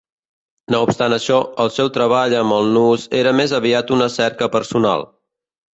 No obstant això, el seu treball amb els nus era més aviat una cerca personal.